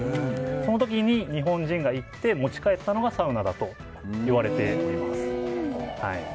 その時に日本人が行って持ち帰ったのがサウナだと言われています。